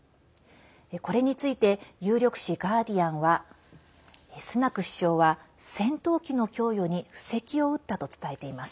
これについて有力紙ガーディアンはスナク首相は戦闘機の供与に布石を打ったと伝えています。